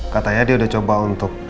katanya dia udah coba untuk